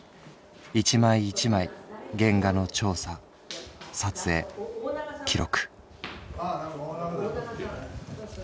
一枚一枚原画の調査撮影記録」。